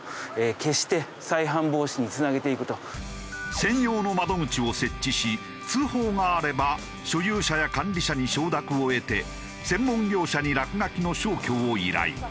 専用の窓口を設置し通報があれば所有者や管理者に承諾を得て専門業者に落書きの消去を依頼。